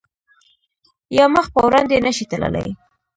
یا مخ په وړاندې نه شی تللی